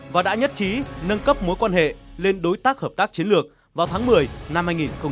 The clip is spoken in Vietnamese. và đã nhất trí nâng cấp mối quan hệ lên đối tác hợp tác chiến lược vào tháng một mươi năm hai nghìn chín